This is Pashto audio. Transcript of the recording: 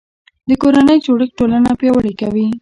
د کورنۍ جوړښت ټولنه پیاوړې کوي